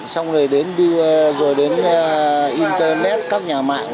xong rồi đến internet các nhà mạng